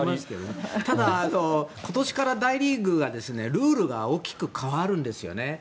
ただ、今年から大リーグがルールが大きく変わるんですね。